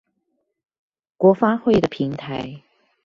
國發會的平台